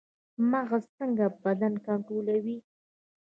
مغز څنګه بدن کنټرولوي؟